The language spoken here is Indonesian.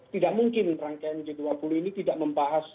tidak mungkin rangkaian g dua puluh ini tidak membahas